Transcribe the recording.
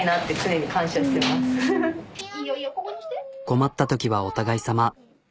困ったときはお互いさま。